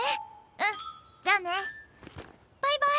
うんじゃあね。バイバイ！